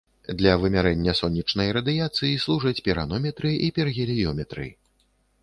Для вымярэння сонечнай радыяцыі служаць піранометры і піргеліёметры.